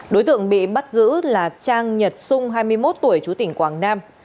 đối tượng bị bắt giữ là trang nhật xung hai mươi một tuổi chú tỉnh quảng nam